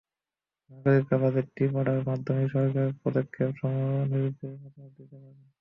নাগরিকেরা বাজেটটি পড়ার মাধ্যমেই সরকারের পদক্ষেপসমূহ সম্পর্কে নিজেদের মতামত দিতে পারবেন।